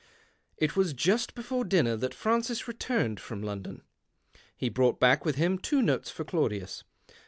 It was just before dinner that Francis returned from London. He brous ht back with him two notes for Claudius.